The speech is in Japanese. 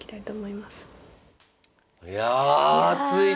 いや。